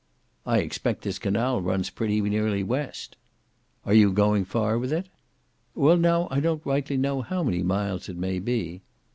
"I expect this canal runs pretty nearly west." "Are you going far with it?" "Well, now, I don't rightly know how many miles it may be."